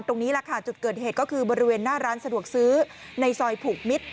ตรงนี้แหละค่ะจุดเกิดเหตุก็คือบริเวณหน้าร้านสะดวกซื้อในซอยผูกมิตร